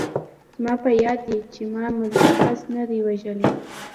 زما په یاد دي چې ما ملکي کس نه دی وژلی